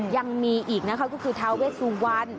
ยังมีอีกก็คือเท้าเวสุวรรณ